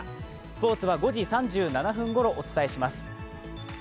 スポーツは５時３７分ごろお伝えします。